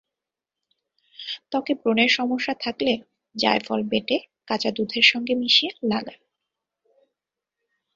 ত্বকে ব্রণের সমস্যা থাকলে জায়ফল বেঁটে কাঁচা দুধের সঙ্গে মিশিয়ে লাগান।